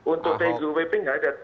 untuk tgwp tidak ada